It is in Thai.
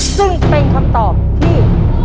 ซึ่งเป็นคำตอบที่